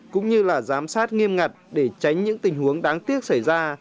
cũng như là giám sát nghiêm ngặt để tránh những tình huống đáng tiếc xảy ra